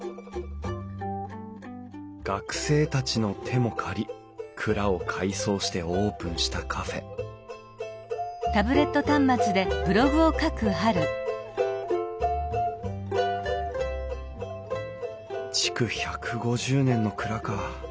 学生たちの手も借り蔵を改装してオープンしたカフェ築１５０年の蔵か。